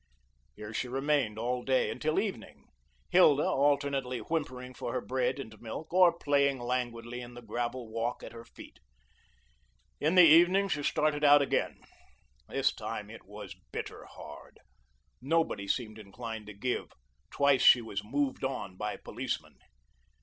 Here she remained all day until evening, Hilda alternately whimpering for her bread and milk, or playing languidly in the gravel walk at her feet. In the evening, she started out again. This time, it was bitter hard. Nobody seemed inclined to give. Twice she was "moved on" by policemen.